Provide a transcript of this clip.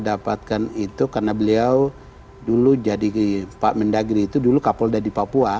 dapatkan itu karena beliau dulu jadi pak mendagri itu dulu kapolda di papua